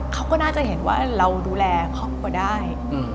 เขาก็น่าจะเห็นว่าเราดูแลครอบครัวได้